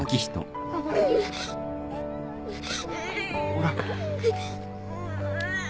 ほら。